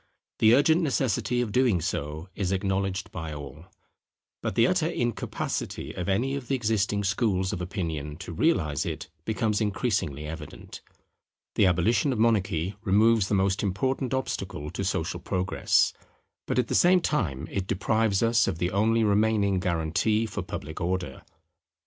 The urgent necessity of doing so is acknowledged by all; but the utter incapacity of any of the existing schools of opinion to realize it becomes increasingly evident. The abolition of monarchy removes the most important obstacle to social Progress: but at the same time it deprives us of the only remaining guarantee for public Order.